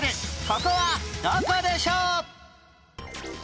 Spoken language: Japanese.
ここはどこでしょう？